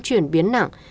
chuyển biến nặng